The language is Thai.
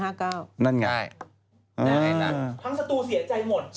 นั่นไงอร์๊าทั้งสตูอีกเสียใจหมด